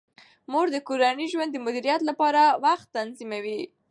مور د کورني ژوند د مدیریت لپاره وخت تنظیموي.